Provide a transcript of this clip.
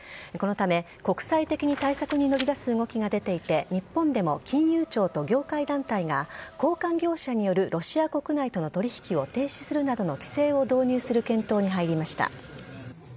このため国際的に対策に乗り出す動きが出ていて、日本でも金融庁と業界団体が、交換業者によるロシア国内との取り引きを停止するなどの規制を導入する検討に入りました。